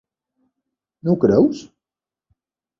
No ho creus?